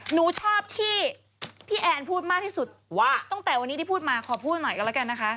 หนูชอบที่พี่แอนพูดมากที่สุดว่าตั้งแต่วันนี้ที่พูดมาขอพูดหน่อยก็แล้วกันนะคะ